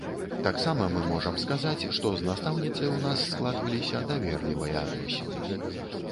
Таксама мы можам сказаць, што з настаўніцай у нас складваліся даверлівыя адносіны.